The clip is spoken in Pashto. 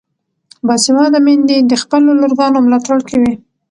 باسواده میندې د خپلو لورګانو ملاتړ کوي.